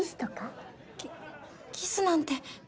キキスなんて。